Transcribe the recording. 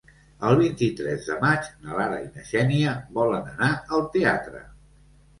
El vint-i-tres de maig na Lara i na Xènia volen anar al teatre.